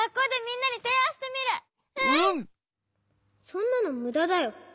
そんなのむだだよ。